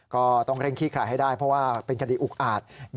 ก็ต้องเร่งขี้คลายให้ได้เพราะว่าเป็นคดีอุกอาจ